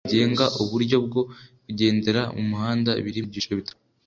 Ibimenyetso bigenga uburyo bwo kugendera mu muhanda birimo ibyiciro bitatu